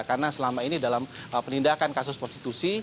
karena selama ini dalam penindakan kasus prostitusi